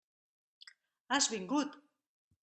Has vingut!